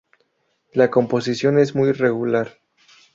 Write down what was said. La composición es muy regular.